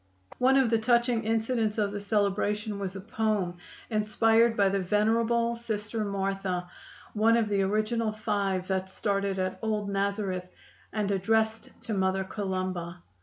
One of the touching incidents of the celebration was a poem inspired by the venerable Sister Martha, one of the original five that started at "Old Nazareth," and addressed to Mother Columba.